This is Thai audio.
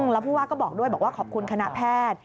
แล้วผู้ว่าก็บอกด้วยบอกว่าขอบคุณคณะแพทย์